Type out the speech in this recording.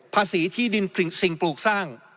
ที่ดินสิ่งปลูกสร้าง